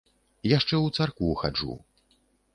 Яшчэ ў царкву хаджу.